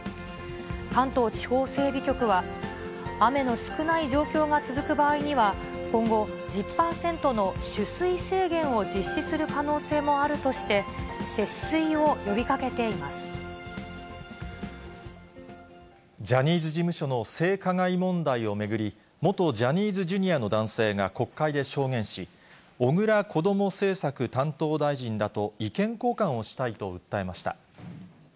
関東地方整備局は、雨の少ない状況が続く場合には、今後、１０％の取水制限を実施する可能性もあるとして、ジャニーズ事務所の性加害問題を巡り、元ジャニーズＪｒ．の男性が国会で証言し、小倉こども政策担当大臣らと意見交換をしたいと訴えました。